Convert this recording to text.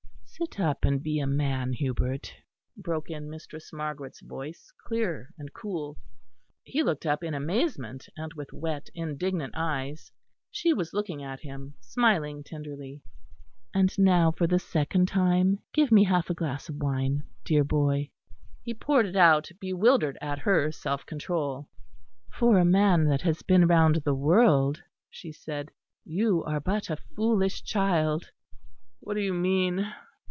"Sit up and be a man, Hubert," broke in Mistress Margaret's voice, clear and cool. He looked up in amazement with wet indignant eyes. She was looking at him, smiling tenderly. "And now, for the second time, give me half a glass of wine, dear boy." He poured it out, bewildered at her self control. "For a man that has been round the world," she said, "you are but a foolish child." "What do you mean?"